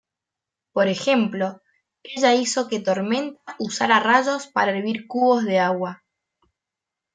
Por ejemplo, ella hizo que Tormenta usara rayos para hervir cubos de agua.